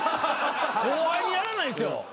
後輩にやらないですよ。